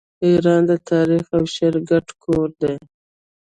ایران د تاریخ او شعر ګډ کور دی.